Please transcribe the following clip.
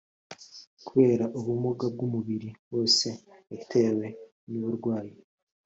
kubera ubumuga bw’umubiri wose yatewe n’uburwayi